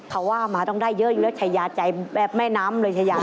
เขาว่ามาต้องได้เยอะอยู่แล้วชายาใจแบบแม่น้ำเลยชายา